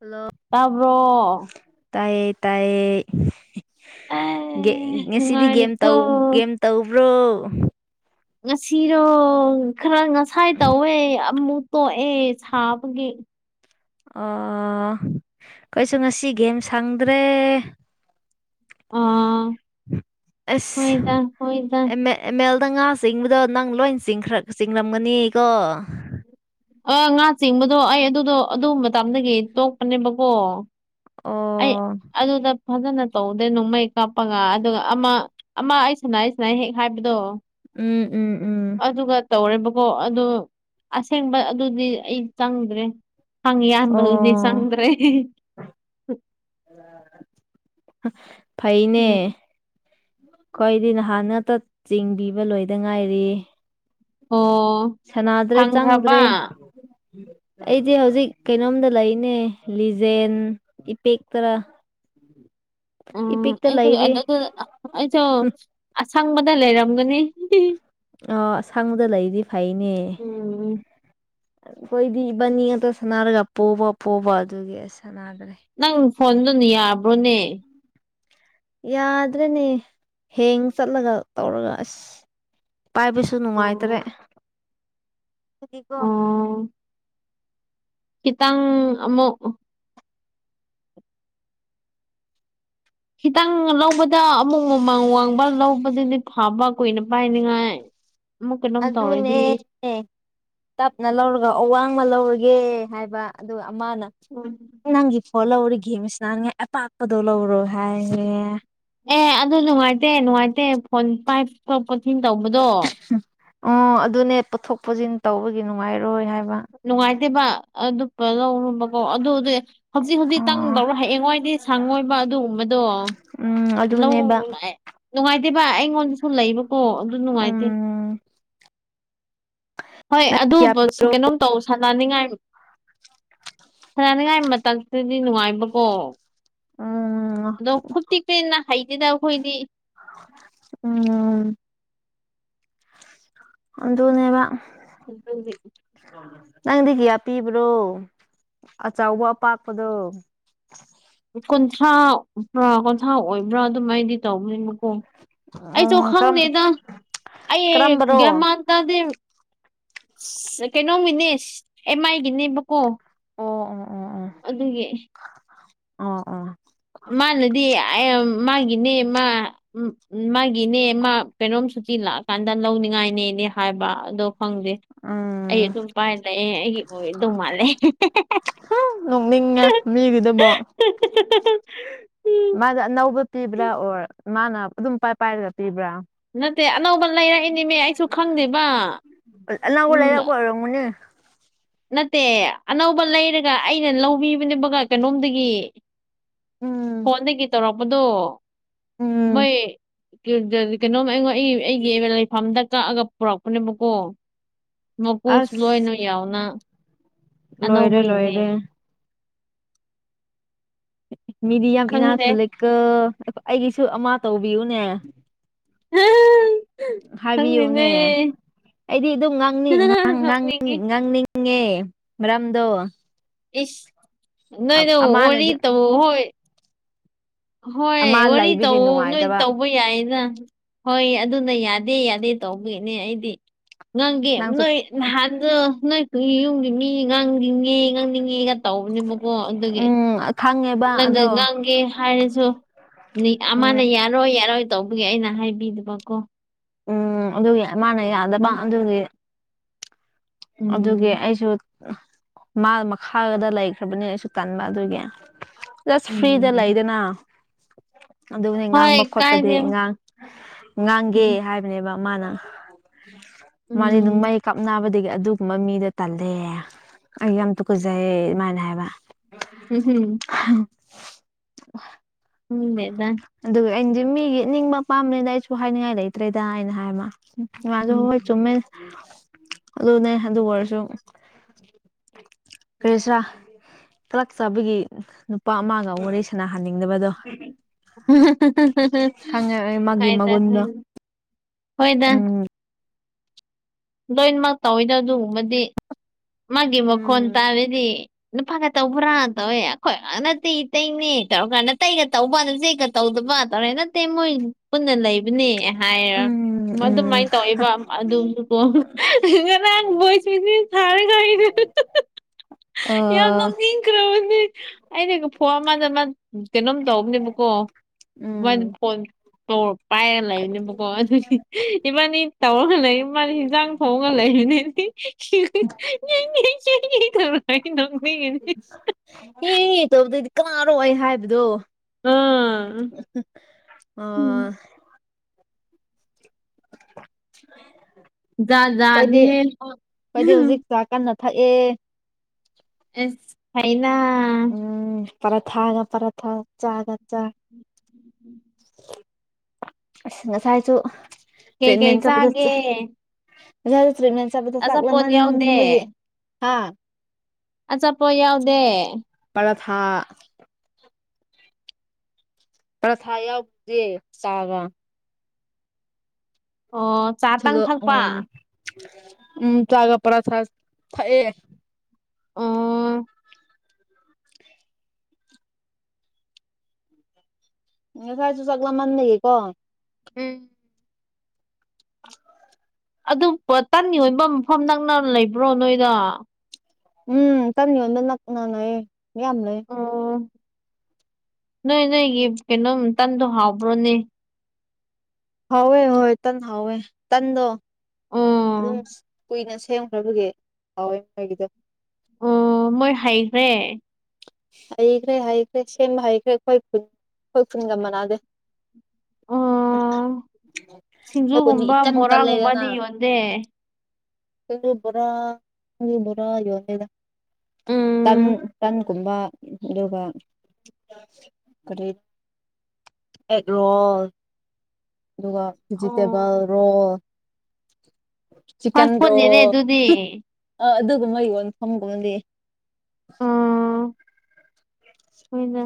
hello ꯇꯥꯕ꯭ꯔꯣ ꯇꯥꯏꯌꯦ ꯇꯥꯏꯌꯦ ꯑꯦ ꯉꯁꯤꯗꯤ ꯒꯦꯝ ꯅꯨꯡꯉꯥꯏꯔꯤꯀꯣ ꯇꯧ ꯒꯦꯝ ꯇꯧꯕ꯭ꯔꯣ ꯉꯁꯤꯔꯣ ꯈꯔ ꯉꯁꯥꯏ ꯇꯧꯌꯦ ꯑꯃꯨꯛ ꯇꯣꯛꯑꯦ ꯁꯥꯕꯒꯤ ꯑꯣ ꯀꯩꯁꯨ ꯉꯁꯤ ꯒꯦꯝ ꯁꯪꯗ꯭ꯔꯦ ꯑꯥ [unintelligible] ꯍꯣꯏꯗ ꯍꯣꯏꯗ ꯑꯦꯃꯦꯜꯗ ꯉꯥ ꯆꯤꯡꯕꯗꯣ ꯅꯪ ꯂꯣꯏ ꯆꯤꯡ ꯆꯤꯡꯂꯝꯒꯅꯤ ꯀꯣ ꯑ ꯉꯥ ꯆꯤꯡꯕꯗꯣ ꯑꯩ ꯑꯗꯨꯗꯣ ꯑꯗꯨ ꯃꯇꯃꯗꯒꯤ ꯇꯣꯛꯄꯅꯦꯕꯀꯣ ꯑꯩ ꯑꯣ ꯑꯗꯨꯗ ꯐꯖꯅ ꯇꯧꯗꯦ ꯅꯣꯡꯃꯩ ꯀꯥꯞꯄꯒ ꯑꯗꯨꯒ ꯑꯃ ꯑꯃ ꯑꯩ [unintelligible] ꯍꯦꯛ ꯍꯥꯏꯕꯗꯣ ꯎꯝ ꯎꯝ ꯎꯝ ꯑꯗꯨꯒ ꯇꯧꯔꯦꯕꯀꯣ ꯑꯗꯨ ꯑꯁꯦꯡꯕ ꯑꯗꯨꯗꯤ ꯑꯩ ꯆꯪꯗ꯭ꯔꯦ ꯑꯣ [unintelligible] ꯆꯪꯗ꯭ꯔꯦ ꯎꯝ ꯐꯩꯅꯦ ꯑꯩꯈꯣꯏꯗꯤ ꯅꯍꯥꯟꯅꯛꯇ ꯆꯤꯡꯕꯤꯕ ꯂꯣꯏꯗ ꯉꯥꯏꯔꯤ ꯑꯣ ꯁꯥꯟꯅꯗ꯭ꯔꯦ ꯐꯪꯈ꯭ꯔꯕ ꯆꯪꯗ꯭ꯔꯦ ꯑꯩꯗꯤ ꯍꯧꯖꯤꯛ ꯀꯩꯅꯣꯝꯗ ꯂꯩꯅꯦ ꯂꯤꯖꯦꯟ ꯏꯄꯦꯛ ꯇꯔꯥ [inaudible] ꯎꯝ ꯑꯩꯁꯨ [unintelligible] ꯑꯩꯁꯨ ꯑꯁꯪꯕꯗ ꯂꯩꯔꯝꯒꯅꯤ ꯑꯣ ꯑꯁꯪꯕꯗ ꯂꯩꯗꯤ ꯐꯩꯅꯦ ꯎꯝ ꯑꯩꯈꯣꯏꯗꯤ ꯏꯕꯥꯟꯅꯤ ꯉꯥꯛꯇ ꯁꯥꯟꯅꯔꯒ ꯄꯣꯕ ꯄꯣꯕ ꯑꯗꯨꯒꯤ ꯑꯁ ꯁꯥꯟꯅꯗ꯭ꯔꯦ ꯅꯪ ꯐꯣꯟꯗꯨꯅ ꯌꯥꯕ꯭ꯔꯣꯅꯦ ꯌꯥꯗ꯭ꯔꯦꯅꯦ ꯍꯦꯡ ꯆꯠꯂꯒ ꯇꯧꯔꯒ ꯑꯁ ꯄꯥꯏꯕꯁꯨ ꯁꯨ ꯎꯝ ꯅꯨꯡꯉꯥꯏꯇ꯭ꯔꯦ ꯍꯥꯏꯗꯤ ꯀꯣ ꯎꯝ ꯈꯤꯇꯪ ꯑꯃꯨꯛ ꯈꯤꯇꯪ ꯂꯧꯕꯗ ꯑꯃꯨꯛ ꯃꯃꯥꯡ ꯋꯥꯡꯕ ꯂꯧꯕꯗꯨꯗꯤ ꯐꯕ ꯀꯨꯏꯅ ꯄꯥꯏꯅꯤꯉꯥꯏ ꯃꯨꯛ ꯀꯩꯅꯣꯝ ꯑꯗꯨꯅꯦ ꯇꯧꯔꯥꯗꯤ ꯇꯞꯅ ꯂꯧꯔꯒ ꯑꯋꯥꯡꯃ ꯂꯧꯔꯒꯦ ꯍꯥꯏꯕ ꯑꯗꯨꯒ ꯑꯃꯅ ꯎꯝ ꯅꯪꯒꯤ ꯍꯣ ꯂꯧꯔ ꯒꯦꯁ ꯅꯥꯟꯉꯥꯏ ꯑꯄꯥꯛꯄꯗꯣ ꯂꯧꯔꯣ ꯍꯥꯏꯌꯦꯦ ꯑꯦ ꯑꯗꯨ ꯅꯨꯡꯉꯥꯏꯇꯦ ꯅꯨꯡꯉꯥꯏꯇꯦ ꯐꯣꯟ ꯄꯥꯏꯄ ꯀꯣꯆꯤꯡ ꯇꯧꯕꯗꯣ ꯎ ꯑꯣ ꯑꯗꯨꯅꯦ ꯄꯨꯣꯠꯊꯣꯛ ꯄꯨꯁꯤꯟ ꯇꯧꯕꯒꯤ ꯅꯨꯡꯉꯥꯏꯔꯣꯏ ꯍꯥꯏꯕ ꯅꯨꯡꯉꯥꯏꯇꯦꯕ ꯑꯗꯨꯄ ꯂꯧ ꯑꯣ ꯑꯗꯨꯗꯤ ꯍꯧꯖꯤꯛ ꯍꯧꯖꯤꯛꯇꯪ ꯑꯣ ꯂꯧꯔꯣ ꯍꯌꯦꯡꯉꯣꯏꯗꯤ ꯁꯪꯉꯣꯏꯕ ꯑꯗꯨꯒꯨꯝꯕꯗꯣ ꯎꯝ ꯂꯧ ꯑꯗꯨꯅꯦꯕ ꯅꯨꯡꯉꯥꯏꯇꯦ ꯚ ꯑꯩꯉꯣꯟꯗꯁꯨ ꯂꯩꯕꯀꯣ ꯑꯗꯨ ꯅꯨꯡꯉꯥꯏꯇꯦ ꯎꯝ ꯍꯣꯏ ꯅꯪ ꯑꯗꯨ ꯀꯌꯥ ꯀꯩꯅꯣꯝ ꯇꯧ ꯁꯅꯅꯤꯡꯉꯥꯏ ꯁꯥꯟꯅꯅꯤꯡꯉꯥꯏ ꯃꯇꯝꯁꯤꯗꯗꯤ ꯅꯨꯡꯉꯥꯏꯕꯀꯣ ꯎꯝ ꯑꯗꯣ ꯈꯨꯇꯤꯛꯇꯤꯅ ꯍꯩꯇꯦꯗ ꯑꯩꯈꯣꯏꯗꯤ ꯎꯝ ꯑ ꯇꯅꯦꯕ ꯎ ꯅꯪꯗꯤ ꯀꯤꯌꯥ ꯄꯤꯕ꯭ꯔꯣ ꯑꯆꯕ ꯑꯄꯥꯛꯄꯗꯣ ꯀꯨꯟꯊ꯭ꯔꯥ꯭ꯔꯥ ꯀꯨꯟꯊ꯭ꯔꯥ ꯑꯣꯏꯕ꯭ꯔꯥ ꯑꯗꯨꯃꯥꯏꯗꯤ ꯇꯧꯕꯅꯦ ꯃꯈꯀꯣꯡ ꯑꯩꯁꯨ ꯎꯝ ꯀꯔꯝ ꯈꯪꯗꯦꯗ ꯑꯩ ꯀꯔꯝꯕꯔꯣ ꯒ꯭ꯌꯥꯃꯥꯟ ꯇꯗꯤ ꯀꯩꯅꯣꯝꯒꯤꯅꯦ ꯑꯦꯝ ꯑꯥꯏꯒꯤꯅꯦꯕꯀꯣ ꯑꯣ ꯑꯣ ꯑꯣ ꯑꯗꯨꯒ ꯑꯣ ꯑꯣ ꯃꯥꯅꯗꯤ ꯃꯥꯒꯤꯅꯦ ꯃꯥ ꯎꯝ ꯃꯥꯒꯤꯅꯦ ꯃꯥ ꯄꯦꯔꯣꯝ ꯁꯨꯇꯤ ꯂꯥꯛꯑꯀꯥꯟꯗ ꯂꯧꯅꯤꯡꯉꯥꯏꯅꯦꯅꯦ ꯍꯥꯏꯕ ꯑꯗꯣ ꯐꯪꯗꯦ ꯑꯩ ꯎꯝ ꯑꯗꯨꯝ ꯄꯥꯏꯂꯛꯑꯦ ꯑꯩꯒꯤ ꯑꯣꯏꯗꯧ ꯃꯥꯜꯂꯦ ꯍꯨꯝ ꯅꯣꯛꯅꯤꯡꯉꯦ ꯃꯤꯒꯤꯗꯨꯕꯣ ꯎꯝ ꯃꯥꯗ ꯑꯅꯧꯕ ꯄꯤꯕ꯭ꯔꯥ ꯑꯣꯔ ꯃꯥꯅ ꯑꯗꯨꯝ ꯄꯥꯏ ꯄꯥꯏꯔꯒ ꯄꯤꯕ꯭ꯔꯥ ꯅꯠꯇꯦ ꯑꯅꯧꯕ ꯂꯩꯔꯛꯏꯅꯦꯃꯦ ꯑꯩꯁꯨ ꯈꯪꯗꯦꯕ ꯑꯅꯧꯕ ꯎꯝ ꯂꯩꯔꯛꯄ ꯑꯣꯏꯔꯝꯒꯅꯤ ꯅꯠꯇꯦ ꯑꯅꯧꯕ ꯂꯩꯔꯒ ꯑꯩꯅ ꯂꯧꯕꯤꯕꯅꯦꯕꯒ ꯀꯩꯅꯣꯝꯗꯒꯤ ꯎꯝ ꯐꯣꯟꯗꯒꯤ ꯇꯧꯔꯛꯄꯗꯣ ꯎꯝ ꯃꯣꯏ ꯀꯩꯅꯣꯝ ꯑꯩꯉꯣꯟ ꯑꯩ ꯑꯩꯒꯤ ꯂꯩꯐꯝꯗ ꯀꯛꯑꯒ ꯄꯨꯔꯛꯄꯅꯦꯕꯀꯣ ꯃꯄꯨꯁꯨ ꯑꯁ ꯂꯣꯏꯅ ꯌꯥꯎꯅ ꯂꯣꯏꯔꯦ ꯑꯅꯧꯕꯒꯤꯅꯦ ꯂꯣꯏꯔꯦ ꯃꯤꯗꯤ ꯌꯥꯝ ꯏꯅꯥ ꯈꯪꯗꯦ ꯈꯨꯂꯛꯀ ꯑꯩꯒꯤꯁꯨ ꯑꯃ ꯇꯧꯕꯤꯌꯨꯅꯦ ꯈꯪꯗꯦꯅꯦ ꯍꯥꯏꯕꯤꯌꯨꯅꯦ ꯑꯩꯗꯤ ꯑꯗꯨꯝꯅꯤꯡ ꯅꯣꯛꯅꯤꯡꯉꯤ ꯉꯥꯡꯅꯤꯡꯉꯦ ꯃꯔꯝꯗꯣ ꯏꯁ ꯅꯣꯏ ꯅ ꯑ- ꯋꯥꯔꯤ ꯑꯃꯅꯗꯤ ꯇꯕꯨ ꯍꯣꯏ ꯍꯣꯏ ꯑꯃ ꯋꯥꯔꯤ ꯂꯩꯕꯒꯤ ꯇꯧ ꯅꯣꯏ ꯅꯨꯡꯉꯥꯏꯇꯕ ꯇꯧꯕ ꯌꯥꯏꯌꯦꯅ ꯍꯣꯏ ꯑꯗꯨꯅ ꯌꯥꯗꯦ ꯌꯥꯗꯦ ꯇꯧꯕꯒꯤꯅꯦ ꯑꯩꯗꯤ ꯉꯥꯡꯒꯦ ꯅꯪꯁꯨ ꯅꯣꯏ ꯅꯍꯥꯟꯗ ꯅꯣꯏ ꯌꯨꯝꯒꯤ ꯃꯤ ꯉꯥꯡꯅꯤꯡꯉꯦ ꯉꯥꯡꯅꯤꯡꯉꯦꯒ ꯇꯧꯕꯅꯦꯕꯀꯣ ꯑꯗꯨ ꯎꯝ ꯈꯪꯉꯦ ꯅꯪꯒ ꯉꯥꯡꯒꯦ ꯍꯥꯏꯔꯁꯨ ꯃꯤ ꯑꯃꯅ ꯎꯝ ꯌꯥ ꯌꯥꯔꯣꯏ ꯌꯥꯔꯣꯏ ꯇꯧꯕꯒꯤ ꯑꯩꯅ ꯍꯥꯏꯕꯤꯗꯨꯕꯀꯣ ꯎꯝ ꯑꯗꯨꯒꯤ ꯃꯥꯅ ꯌꯥꯗꯕ ꯎꯝ ꯑꯗꯨꯒꯤ ꯑꯗꯨꯒꯤ ꯎꯝ ꯑꯩꯁꯨ ꯃꯥ ꯃꯈꯥꯒꯗ ꯂꯩꯈ꯭ꯔꯕꯅꯤ ꯑꯩꯁꯨ ꯇꯟꯕ ꯑꯗꯨꯒꯤ ꯖꯁ ꯐ꯭ꯔꯤꯗ ꯎꯝ ꯂꯩꯗꯅ ꯑꯗꯨꯒꯅꯤ ꯍꯣꯏ ꯉꯥꯡꯕ ꯈꯣꯠꯄꯗꯤ ꯀꯥꯏꯗꯦ ꯉꯥꯡꯒꯦ ꯎꯝ ꯍꯥꯏꯕ ꯕ ꯃꯥꯅ ꯃꯥꯗꯤ ꯅꯨꯡꯃꯩ ꯀꯥꯞꯕꯗꯤꯒ ꯑꯗꯨꯒꯨꯝꯕ ꯃꯤꯗꯣ ꯇꯜꯂꯦ ꯑꯩ ꯌꯥꯝ ꯇꯨꯀꯠꯆꯩꯌꯦ ꯑꯗꯨꯃꯥꯏꯅ ꯍꯥꯏꯕ ꯎꯝ ꯍꯝ ꯎꯝꯃꯦꯦꯗꯥ ꯑꯗꯨꯒ ꯑꯩꯅꯁꯦ ꯃꯤꯒꯤ ꯅꯤꯡꯕ ꯄꯥꯝꯕꯅꯤꯅ ꯑꯩꯁꯨ ꯍꯥꯏꯅꯤꯡꯉꯥꯏ ꯂꯩꯇ꯭ꯔꯦꯗ ꯑꯩꯅ ꯍꯥꯏꯕ ꯃꯥꯁꯨ ꯎꯝ ꯍꯋꯥꯣꯏ ꯆꯨꯝꯃꯦ ꯑꯗꯨꯅꯦ ꯑꯗꯨ ꯑꯣꯏꯔꯁꯨ ꯐꯦꯁꯔꯥ ꯀꯂꯛ ꯆꯥꯕꯒꯤ ꯅꯨꯄꯥ ꯑꯃꯒ ꯋꯥꯔꯤꯣꯔꯦ ꯁꯅꯥꯍꯟꯅꯤꯡꯗꯕꯗꯣ ꯑꯩ ꯃꯥꯒꯤ ꯍꯥꯏꯗ ꯃꯒꯨꯟꯗꯣ ꯍꯣꯏꯗ ꯎꯝ ꯂꯣꯏꯅꯃꯛ ꯇꯧꯋꯤꯗꯣ ꯑꯗꯨꯒꯨꯝꯕꯗꯤ ꯃꯥꯒꯤ ꯃꯈꯣꯟ ꯎꯝ ꯇꯥꯔꯗꯤ ꯅꯨꯄꯥꯒ ꯇꯧꯕ꯭ꯔꯥ ꯇꯧꯋꯦ ꯑꯩꯈꯣꯏ ꯅꯠꯇꯦ ꯑꯩꯈꯣꯏꯅꯤ ꯇꯧꯔꯀꯥꯟꯗ ꯅꯥꯇꯩꯒ ꯇꯧꯕ ꯅꯆꯦꯒ ꯇꯧꯗꯕ ꯇꯧꯔꯦ ꯅꯠꯇꯦ ꯃꯣꯏ ꯄꯨꯟꯅ ꯂꯩꯕꯅꯦ ꯍꯥꯏꯔ ꯎꯝ ꯎꯝ ꯑꯗꯨꯃꯥꯏꯅ ꯇꯧꯋꯦꯕ ꯑꯗꯨꯁꯨꯀꯣ ꯉꯔꯥꯡ ꯕꯣꯏꯁ ꯃꯦꯁꯁꯦ ꯊꯥꯔ ꯀꯅꯦ ꯑ ꯌꯥꯝ ꯅ ꯑꯩꯅ ꯐꯣꯔ ꯃꯥꯗ ꯃꯥ ꯀꯩꯅꯣꯝ ꯇꯧꯕꯅꯦꯕꯀꯣ ꯎꯝ ꯋꯥꯟ ꯐꯣꯟ ꯇ ꯄꯥꯏꯔꯒ ꯂꯩꯔꯤꯅꯦꯕꯀꯣ ꯑꯗꯨꯗꯤ ꯏꯃꯅꯤ ꯇꯧꯔꯒ ꯂꯩ ꯏꯃꯅꯤ ꯍꯟꯖꯥꯡ ꯊꯣꯡꯉꯒ ꯂꯩꯔꯤꯅꯤ ꯑꯩ ꯅꯣꯛꯅꯤꯡꯉꯤꯅꯤ ꯍ ꯇꯧꯕꯗꯗꯤ ꯀꯅꯥꯅꯣ ꯍꯥꯏꯕꯗꯣ ꯑ ꯎꯝ ꯑ ꯌꯥꯖꯅꯤ ꯍꯦ ꯆꯥꯛ ꯀꯟꯅ ꯊꯛꯑꯦ ꯑꯦ ꯍꯩꯅ ꯎꯝ ꯄꯔꯠꯒ ꯄꯔꯠ ꯆꯒ ꯆ ꯁ ꯉꯁꯥꯏꯁꯨ ꯇ ꯀꯩꯀꯩ ꯃꯦꯟ ꯆ ꯄꯨ ꯆꯥꯒꯦ ꯇ꯭ꯔꯤꯠꯃꯦꯟ ꯆꯠꯄꯗ ꯆꯥꯛ ꯑꯆꯥꯄꯣꯠ ꯌꯥꯎꯗꯦ ꯂꯝꯃꯟꯕꯒꯤ ꯍꯥ ꯑꯆꯥꯄ ꯌꯥꯎꯗꯦ ꯄꯔꯊꯥ ꯄ꯭ꯔꯊꯥ ꯌꯥꯎꯗꯦ ꯆꯥꯕ ꯑꯣ ꯆꯥ ꯇꯪ ꯊꯨꯂꯣ ꯊꯛꯄ ꯎꯝ ꯎꯝ ꯆꯥꯒ ꯄꯔ ꯊꯌꯦ ꯑꯣ ꯁꯥꯏ ꯆꯁꯨ ꯆꯥꯛ ꯂꯥꯝꯃꯟ ꯂꯩꯌꯦ ꯀꯣ ꯎꯝ ꯑ ꯑꯗꯨ ꯇꯟꯒꯤ ꯑꯣꯏꯕ ꯃꯐꯝ ꯅꯪꯅ ꯂꯩꯕ꯭ꯔꯣ ꯅꯣꯏꯗ ꯎꯝ ꯀꯔ ꯌꯣꯟꯕ ꯅꯛꯅꯌꯦ ꯃꯤꯌꯥꯝꯅ ꯑꯣ ꯅꯣꯏ ꯅꯣꯏꯒꯤ ꯀꯩꯅꯣꯝꯇꯟꯗꯣ ꯍꯥꯎꯕ꯭ꯔꯣꯅꯦ ꯍꯋ ꯍ ꯇ ꯍꯋ ꯇꯗꯣ ꯎꯝ ꯀꯨꯏꯅ ꯁꯦꯝꯈ꯭ꯔꯕꯒꯤ ꯍꯥꯎꯋꯦ ꯃꯣꯏꯒꯤꯗ ꯑꯣ ꯃꯣꯏ ꯍꯩꯈꯔꯦ ꯍꯩꯈ꯭ꯔꯦ ꯍꯩꯈ꯭ꯔꯦ ꯁꯦꯝꯕ ꯍꯩꯈ꯭ꯔꯦ ꯑꯩꯈꯣꯏ ꯈꯨꯜ ꯑꯩꯈꯣꯏ ꯈꯨꯨꯟꯒ ꯃꯅꯥꯗꯦ ꯑꯣ [inaudible] ꯍꯗꯤ ꯁꯤꯡꯖꯨꯒꯨꯝꯕ ꯏꯀꯟ ꯀꯟ ꯂꯩꯗꯅ ꯕꯣꯔꯥꯒꯨꯝꯕꯗꯤ ꯌꯣꯟꯗꯦ ꯆ ꯄꯨꯔꯥ ꯇ ꯄꯨꯨꯔꯥ ꯌꯣꯟꯗꯦꯗ ꯇꯟ ꯎꯝ ꯇꯟ ꯀꯨꯝꯕ ꯑꯗꯨꯒ ꯀꯔꯤ ꯑꯦꯛ ꯔꯣꯜ ꯑꯗꯨꯒ ꯚꯤꯖꯤꯇꯦꯕꯜ ꯑꯣ ꯔꯣꯜ ꯆꯤꯛꯀꯟ ꯐꯥꯁ ꯐꯨꯗꯅꯤꯅꯦ ꯔꯣꯜ ꯑꯗꯨꯗꯤ ꯑ ꯑꯗꯨꯒꯨꯝꯕ ꯌꯣꯟꯐꯝꯒꯨꯝꯕꯗꯤ ꯑꯥ ꯍꯣꯏꯅ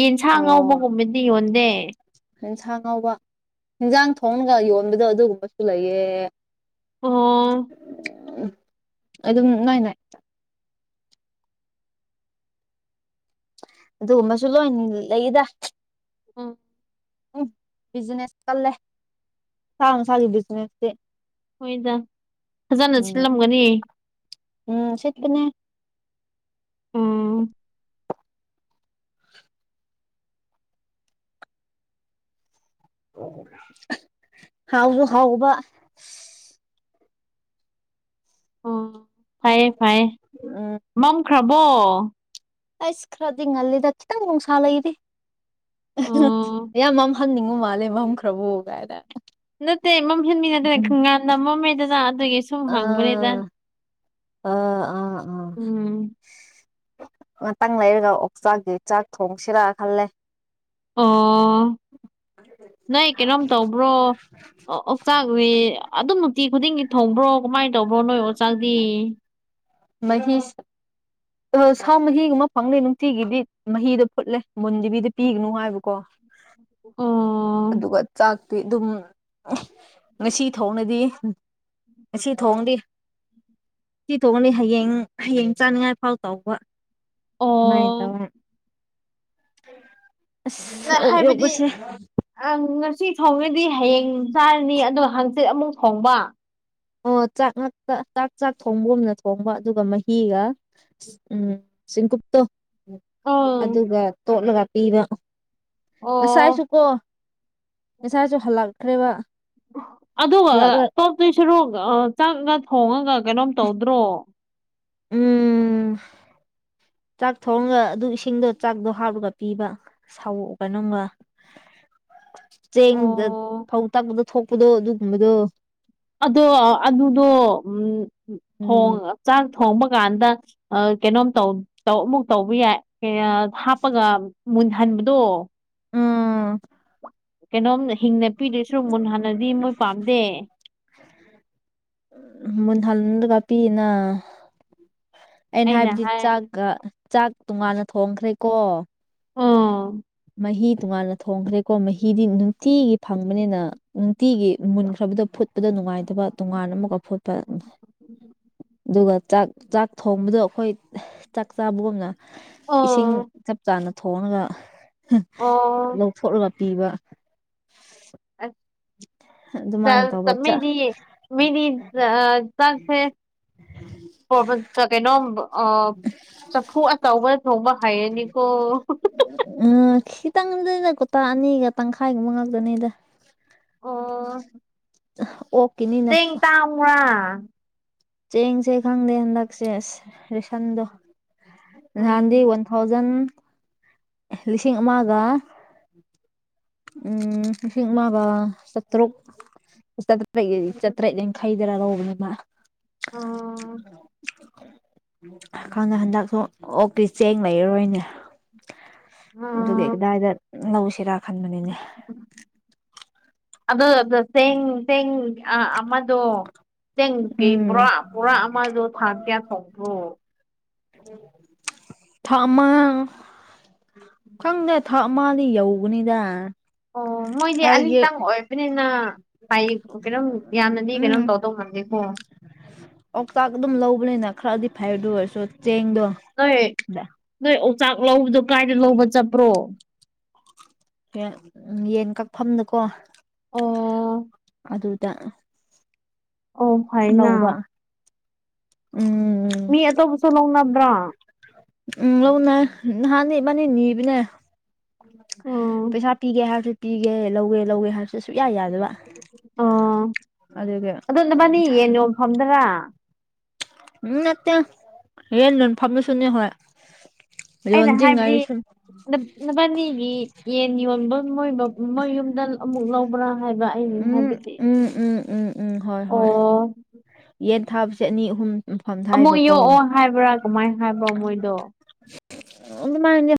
ꯌꯦꯟꯁꯥꯡ ꯑꯣ ꯉꯧꯕꯒꯨꯝꯕꯗꯤ ꯌꯣꯟꯗꯦ ꯌꯦꯟꯁꯥꯡ ꯉꯥꯎꯕ ꯌꯦꯟꯖꯥꯡ ꯊꯣꯡꯒ ꯌꯣꯟꯕꯗꯣ ꯑꯗꯨꯒꯨꯝꯕꯁꯨ ꯂꯩꯌꯦ ꯑꯣ ꯎ ꯑꯗꯨꯝ ꯥꯏ ꯏ ꯑꯗꯨꯒꯨꯝꯕꯁꯨ ꯂꯣꯏ ꯂꯩꯗ ꯎꯝ ꯎꯝ ꯕꯤꯖꯤꯅꯦꯁ ꯇꯜꯂꯦ ꯁꯥ ꯅꯨꯡꯁꯥꯒꯤ ꯕꯤꯖꯤꯅꯦꯁꯇꯤ ꯍꯣꯏꯗ ꯐꯖꯅ ꯎꯝ ꯁꯤꯜꯂꯝꯒꯅꯤ ꯎꯝ ꯁꯤꯠꯄꯅꯦ ꯎꯝ ꯍꯥꯎꯁꯨ ꯍꯥꯎꯕ ꯑꯣ ꯐꯩꯌꯦ ꯐꯩꯌꯦ ꯎꯝ ꯃꯝꯈ꯭ꯔꯕꯣ ꯑꯩꯁ ꯈꯔꯗꯤ ꯉꯜꯂꯤꯗ ꯈꯤꯇꯪ ꯅꯨꯡꯁꯥ ꯂꯩꯔꯤ ꯎꯝ ꯌꯥꯝ ꯍꯟꯅꯤꯡꯕ ꯃꯥꯜꯂꯦ ꯃꯝꯈ꯭ꯔꯕ ꯀꯥꯏꯅ ꯅꯠꯇꯦ ꯃꯝꯍꯦꯟꯃꯤ ꯅꯗꯅ ꯎꯝ ꯈꯪꯒꯅ ꯃꯝꯃꯦꯗꯅ ꯑꯗꯨꯒꯤꯁꯨ ꯑꯥ ꯑꯥ ꯑꯥ ꯑꯥ ꯎꯝ ꯉꯥꯛꯇꯪ ꯂꯩꯔꯒ ꯑꯣꯛꯆꯥꯛꯀꯤ ꯆꯥꯛ ꯊꯣꯡꯁꯤꯔ ꯈꯜꯂꯦ ꯑꯣ ꯅꯣꯏ ꯀꯩꯅꯣꯝ ꯇꯧ ꯭ꯔꯣ ꯑꯣꯆꯥꯛꯁꯤ ꯑꯗꯨꯝ ꯅꯨꯡꯇꯤ ꯈꯨꯗꯤꯡꯒꯤ ꯊꯣꯡꯕ꯭ꯔꯣ ꯀꯃꯥꯏꯅ ꯇꯧꯕꯣ ꯅꯣꯏ ꯑꯣꯆꯥꯛꯇꯤ ꯃꯍꯤꯁ ꯑ ꯁꯥ ꯃꯍꯤꯒꯨꯝꯕ ꯐꯪꯅꯤ ꯅꯨꯡꯇꯤꯒꯤꯗꯤ ꯃꯍꯤꯗꯣ ꯐꯨꯠꯂꯦ ꯃꯨꯟꯗꯕꯤꯗ ꯄꯤ ꯅꯨꯉꯥꯏꯕꯀꯣ ꯑꯣ ꯑꯗꯨꯒ ꯆꯥꯛ ꯑꯗꯨꯝ ꯉꯁꯤ ꯊꯣꯡꯅꯗꯤ ꯉꯁꯤ ꯊꯣꯡꯗꯤ ꯊꯣꯡꯉꯅꯤ ꯍꯌꯦꯡ ꯍꯌꯦꯡ ꯆꯥꯅꯤꯡꯉꯥꯏ ꯐꯥꯎ ꯇꯧꯕ ꯁꯨꯃꯥꯏꯅ ꯑꯣ ꯇꯧꯔꯦ ꯑꯁ ꯅ ꯑꯣꯛ ꯍꯥꯏꯕꯗꯤ ꯌꯣꯛꯄꯁꯦ ꯑꯪ ꯉꯁꯤ ꯊꯣꯡꯉꯗꯤ ꯍꯌꯦꯡ ꯆꯥꯔꯅꯤ ꯑꯗꯣ ꯍꯥꯡꯆꯤꯠ ꯑꯃꯨꯛ ꯊꯣꯡꯕ ꯑꯣ ꯆꯥꯛ ꯉꯥꯛꯇ ꯆꯥꯛ ꯆꯥꯛ ꯊꯣꯡꯕꯒꯨꯝꯅ ꯊꯣꯡꯕ ꯑꯗꯨꯒ ꯃꯍꯤꯒ ꯎꯝ ꯆꯤꯡꯀꯨꯞꯇꯣ ꯑꯪ ꯑꯗꯨꯒ ꯇꯣꯠꯂꯒ ꯄꯤꯕ ꯑꯣ ꯉꯁꯥꯏꯁꯨꯀꯣ ꯉꯁꯥꯏꯁꯨ ꯍꯜꯂꯛꯈ꯭ꯔꯦꯕ ꯑꯗꯨꯒ ꯍꯜꯂꯛꯂꯒ ꯇꯣꯠꯇꯨꯏ ꯁꯔꯨꯛ ꯆꯥꯛ ꯉꯥꯛ ꯊꯣꯡꯉꯒ ꯀꯩꯅꯣꯝ ꯇꯧꯗ꯭ꯔꯣ ꯎꯝ ꯆꯥꯛ ꯊꯣꯡꯒ ꯑꯗꯨ ꯏꯁꯤꯡꯗꯣ ꯆꯥꯛꯗꯣ ꯍꯥꯞꯂꯒ ꯄꯤꯕ ꯁꯧ ꯀꯩꯅꯣꯝꯒ ꯆꯦꯡꯗ ꯑꯣ ꯐꯧ ꯇꯛꯄꯗ ꯊꯣꯛꯄꯗꯣ ꯑꯗꯨꯒꯨꯝꯕꯗꯣ ꯑꯗꯣ ꯑꯗꯨꯗꯣ ꯎꯝ ꯎꯝ ꯊꯣꯡꯉ ꯆꯥꯛ ꯊꯣꯡꯕ ꯀꯥꯟꯗ ꯀꯩꯅꯣꯝ ꯑꯃꯨꯛ ꯇꯧꯕ ꯌꯥꯏ ꯍꯥꯞꯄꯒ ꯃꯨꯟꯍꯟꯕꯗꯣ ꯑꯥ ꯀꯩꯅꯣꯝ ꯍꯤꯡꯅ ꯄꯤꯗꯣꯏꯁꯨꯛ ꯃꯨꯟꯍꯟꯅꯗꯤ ꯃꯣꯏ ꯄꯥꯝꯗꯦ ꯃꯨꯟꯍꯟꯕꯗ ꯄꯤꯅ ꯑꯩꯅ ꯍꯥꯏꯕꯗꯤ ꯆꯥꯛꯒ ꯆꯥꯛ ꯇꯣꯉꯥꯟꯅ ꯊꯣꯡꯈ꯭ꯔꯦꯀꯣ ꯑꯣ ꯃꯍꯤ ꯇꯣꯉꯥꯟꯅ ꯊꯣꯡꯈ꯭ꯔꯦꯀꯣ ꯃꯍꯤꯗꯤ ꯅꯨꯡꯇꯤꯒꯤ ꯐꯪꯕꯅꯤꯅ ꯅꯨꯡꯇꯤꯒꯤ ꯃꯨꯟꯈ꯭ꯔꯕꯗꯨ ꯐꯨꯠꯄꯗ ꯅꯨꯡꯉꯥꯏꯇꯕ ꯇꯣꯉꯥꯟ ꯑꯃꯨꯛꯀ ꯐꯨꯠꯄ ꯑꯗꯨꯒ ꯆꯥꯛ ꯆꯥꯛ ꯊꯣꯡꯕꯗꯣ ꯑꯩꯈꯣꯏ ꯆꯥꯛ ꯆꯥꯕꯒꯨꯝꯅ ꯏꯁꯤꯡ ꯑꯣ ꯆꯞ ꯆꯥꯅ ꯊꯣꯡꯉꯒ ꯑꯣ ꯂꯧꯊꯣꯛꯂꯒ ꯄꯤꯕ ꯑꯗꯨꯃꯥꯏꯅ ꯇꯧꯕ ꯆ ꯃꯤꯗꯤ ꯃꯤꯗꯤ ꯆꯥꯛꯁꯦ ꯀꯩꯅꯣꯝ ꯆꯐꯨ ꯑꯆꯧꯕꯗ ꯊꯣꯡꯕ ꯍꯩꯔꯅꯤꯀꯣ ꯎꯝ ꯈꯤꯇꯪꯗ ꯀꯨꯇꯥ ꯑꯅꯤꯒ ꯇꯪꯈꯥꯏꯒꯨꯝꯕ ꯉꯥꯛꯇꯅꯤꯗ ꯑꯣ ꯑꯣꯛꯀꯤꯅꯤꯅ ꯆꯦꯡ ꯇꯥꯡꯕꯔ꯭ ꯆꯦꯡꯁꯦ ꯈꯪꯗꯦ ꯍꯟꯗꯛꯁꯦ ꯑꯁ ꯔꯦꯁꯟꯗꯣ ꯅꯍꯥꯟꯗꯤ ꯎꯝ ꯋꯥꯟ ꯊꯥꯎꯖꯟ ꯂꯤꯁꯤꯡ ꯑꯃꯒ ꯎꯝ ꯂꯤꯁꯤꯡ ꯑꯃꯒ ꯆꯥꯇ꯭ꯔꯨꯛ ꯆꯥꯇ꯭ꯔꯦꯠꯀꯤ ꯆꯥꯇ꯭ꯔꯦꯠ ꯈꯩꯗꯔꯥ ꯂꯧꯕꯅꯦ ꯎꯝ ꯈꯪꯉꯦ ꯍꯟꯗꯛꯁꯨ ꯑꯣꯛꯀꯤ ꯆꯦꯡ ꯂꯩꯔꯔꯣꯏꯅꯦ ꯑꯗꯨ ꯎꯝ ꯀꯗꯥꯏꯗ ꯂꯧꯁꯤꯔꯥ ꯈꯟꯕꯅꯤꯅꯦ ꯑꯗꯣ ꯁꯦꯡꯦꯡ ꯑ ꯑ ꯑꯗꯣ ꯇꯦꯡ ꯀꯩ ꯎꯝ ꯄꯨꯣꯔꯥ ꯄꯨꯔꯥ ꯑꯃꯗꯣ ꯊꯥꯡ ꯀꯌꯥ ꯊꯣꯛꯄ꯭ꯔꯣ ꯎꯝ ꯊꯥꯛ ꯑꯃ ꯈꯪꯗꯦ ꯊꯥꯛ ꯑꯃꯗꯤ ꯌꯧꯧꯕꯅꯤꯗ ꯑꯣ ꯃꯣꯏꯗꯤ ꯑꯅꯤꯛꯇꯪ ꯑꯣꯏ ꯑꯗꯨꯕꯅꯤꯅ ꯍꯥꯏ ꯀꯩꯅꯣꯝ ꯌꯥꯝꯅꯅꯤ ꯀꯩꯅꯣꯝ ꯇꯧꯗꯧ ꯉꯝꯗꯦꯀꯣ ꯑꯣꯥꯎꯇꯥꯛ ꯑꯗꯨꯝ ꯂꯧꯕꯅꯤꯅ ꯈꯔꯗꯤ ꯐꯩꯔꯗ ꯑꯣꯏꯔꯁꯨ ꯆꯦꯡꯗꯣ ꯅꯣꯏ ꯅꯣꯏ ꯑꯣꯆꯥꯛ ꯂꯧꯕꯗꯣ ꯀꯥꯏꯗ ꯂꯧꯕ ꯆꯠꯄ꯭ꯔꯣ ꯎ ꯌꯦꯟ ꯀꯛꯐꯝꯗꯨꯀꯣ ꯑꯣ ꯑꯗꯨꯗ ꯑꯣ ꯐꯥꯏꯅ ꯂꯧꯕ ꯎꯝ ꯃꯤ ꯑꯇꯣꯞꯧꯕꯁꯨ ꯂꯧꯅꯕ꯭ꯔꯣ ꯎꯝ ꯂꯧꯅꯩ ꯅꯍꯥꯟꯗꯤ ꯏꯕꯥꯅꯤ ꯅꯤꯕꯅꯦ ꯎꯝ ꯄꯩꯁꯥ ꯄꯤꯒꯦ ꯍꯥꯏꯕꯁꯨ ꯄꯤꯒꯦ ꯂꯧꯋꯦ ꯂꯧꯋꯦ ꯍꯥꯏꯕꯁꯨ ꯁꯨꯛꯌꯥ ꯌꯥꯗꯕ ꯑꯣ ꯑꯗꯨꯒꯤ ꯑꯗꯣ ꯅꯕꯥꯅꯤ ꯌꯦꯟ ꯌꯣꯝꯐꯝꯗꯔ ꯎꯝ ꯅꯠꯇꯦ ꯌꯦꯟ ꯌꯣꯟ ꯐꯝ ꯗꯨꯁꯨꯅꯦ ꯍꯣꯏ ꯑꯩꯅ ꯍꯥꯏꯕꯗꯤ ꯌꯣꯟꯗ꯭ꯔꯤꯉꯩꯁꯨ ꯅꯕꯥꯅꯤꯒꯤ ꯌꯦꯟ ꯌꯣꯟꯕ ꯃꯣꯏ ꯃꯣꯏ ꯌꯨꯝꯗ ꯑꯃꯨꯛ ꯂꯧꯕ꯭ꯔꯥ ꯍꯥꯏꯕ ꯑꯩꯅ ꯎꯝ ꯍꯥꯏꯕꯗꯤ ꯎꯝ ꯎꯝ ꯎꯝ ꯎꯝ ꯍꯣꯏ ꯍꯣꯏ ꯑꯣ ꯌꯦꯟ ꯊꯥꯕꯁꯦ ꯑꯅꯤ ꯑꯍꯨꯝ ꯃꯐꯝ ꯑꯃꯨꯛ ꯊꯥꯏꯕꯀꯣ ꯌꯣꯛꯑꯣ ꯍꯥꯏꯕ꯭ꯔꯥ ꯀꯃꯥꯏꯅ ꯍꯥꯏꯕ꯭ꯔꯣ ꯃꯣꯏꯗꯣ [unintelligible]